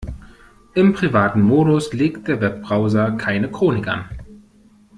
Im privaten Modus legt der Webbrowser keine Chronik an.